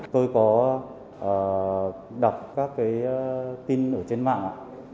tôi có đọc các tin trên mạng